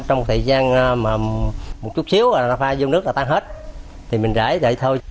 trong một thời gian một chút xíu rồi nó pha vô nước là tan hết thì mình rãi vậy thôi